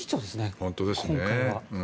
本当ですね。